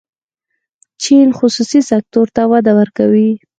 چین خصوصي سکتور ته وده ورکوي.